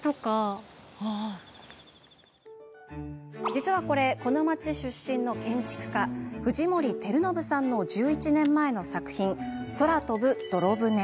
実はこれ、この町出身の建築家藤森照信さんの１１年前の作品「空飛ぶ泥舟」。